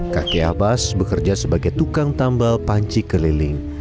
kakek abbas bekerja sebagai tukang tambal panci keliling